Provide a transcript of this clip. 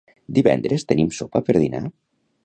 Divendres tenim sopa per dinar?